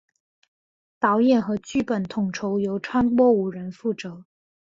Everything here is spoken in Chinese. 导演和剧本统筹由川波无人负责。